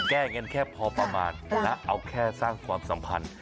แก้เงินแค่พอประมาณและเอาแค่สร้างความสัมพันธ์